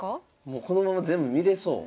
もうこのまま全部見れそう。